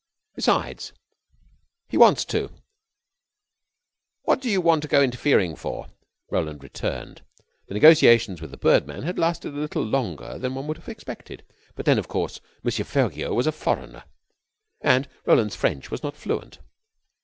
Besides, he wants to. What do you want to go interfering for?" Roland returned. The negotiations with the bird man had lasted a little longer than one would have expected. But then, of course, M. Feriaud was a foreigner, and Roland's French was not fluent.